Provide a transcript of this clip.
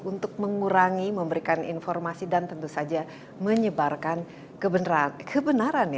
untuk mengurangi memberikan informasi dan tentu saja menyebarkan kebenaran